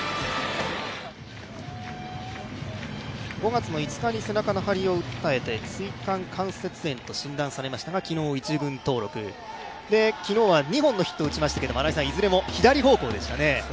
５月５日に背中の張りを訴えて、椎間関節炎と診断されましたが、昨日１軍登録、昨日は２本のヒットを打ちましたけれども、いずれも左方向でしたね。